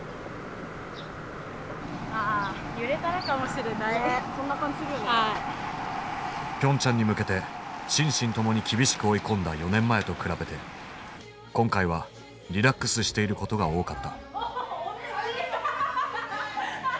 考え方的にピョンチャンに向けて心身ともに厳しく追い込んだ４年前と比べて今回はリラックスしていることが多かった。